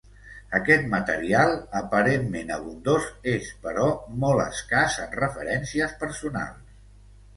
Aquest material, aparentment abundós, és, però, molt escàs en referències personals.